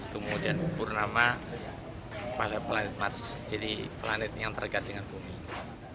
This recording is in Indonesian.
tumuh dan purnama pada planet mars jadi planet yang terikat dengan bumi